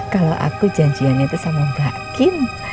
kalau aku janjian itu sama gak kim